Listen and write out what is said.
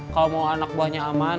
kalau mau anak buahnya aman